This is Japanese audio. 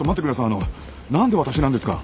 あの何で私なんですか？